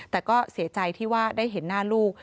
แต่ก็เสียใจที่ว่าได้เห็นหน้าลูก